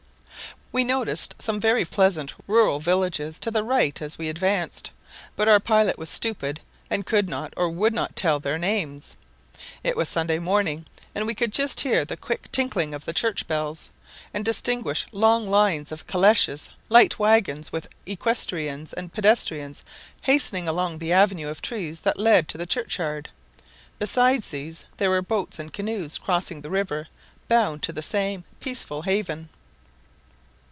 We noticed some very pleasant rural villages to the right as we advanced, but our pilot was stupid, and could not, or would not tell their names. It was Sunday morning, and we could just hear the quick tinkling of the church bells, and distinguish long lines of caleches, light waggons, with equestrians and pedestrians hastening along the avenue of trees that led to the churchyard; besides these, were boats and canoes crossing the river, bound to the same peaceful haven.